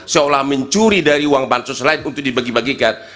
seolah mencuri dari uang bansos lain untuk dibagi bagikan